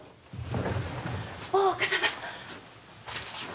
大岡様！